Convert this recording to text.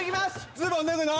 ズボン脱ぐの？